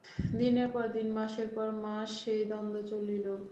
দিনের পর দিন, মাসের পর মাস এই দ্বন্দ্ব চলিল।